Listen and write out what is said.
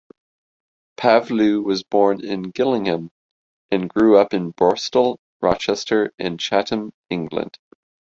Pavlou was born in Gillingham, and grew up in Borstal, Rochester and Chatham, England.